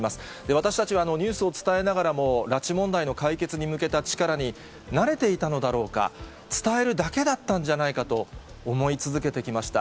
私たちはニュースを伝えながらも、拉致問題の解決に向けた力になれていたのだろうか、伝えるだけだったんじゃないかと思い続けてきました。